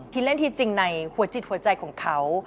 เล่นที่จริงในหัวจิตหัวใจของเขา